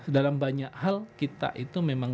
dalam banyak hal kita itu memang